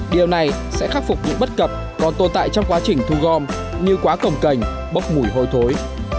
điều này sẽ khắc phục những bất cập còn tồn tại trong quá trình thu gom như quá cầm cành bốc mùi hôi thối